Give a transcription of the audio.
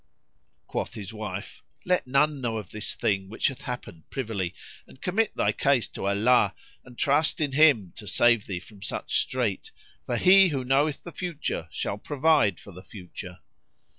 Quoth his wife, "Let none know of this thing which hath happened privily, and commit thy case to Allah and trust in Him to save thee from such strait; for He who knoweth the future shall provide for the future."